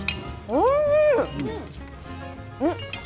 おいしい。